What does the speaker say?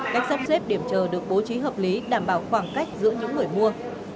cách sắp xếp điểm chờ được bố trí hợp lý đảm bảo khoảng cách giữa những người mua